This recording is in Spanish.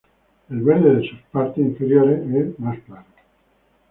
El verde de sus partes inferiores es más claro.